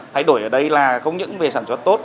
thay đổi ở đây là không những về sản xuất tốt